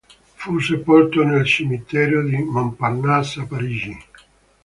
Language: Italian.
Fu sepolto nel cimitero di Montparnasse a Parigi.